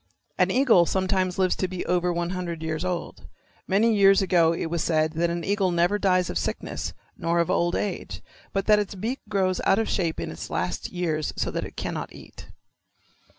An eagle sometimes lives to be over one hundred years old. Many years ago it was said that an eagle never dies of sickness nor of old age, but that its beak grows out of shape in its last years so that it cannot eat.